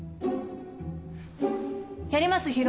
やります